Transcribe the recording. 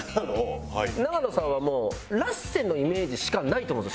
永野さんはもうラッセンのイメージしかないと思うんです